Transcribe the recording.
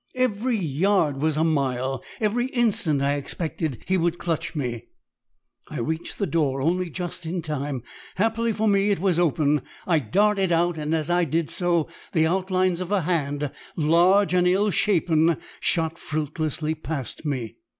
Every yard was a mile, every instant I expected he would clutch me. I reached the door only just in time happily for me it was open I darted out, and as I did so the outlines of a hand large and ill shapen shot fruitlessly past me.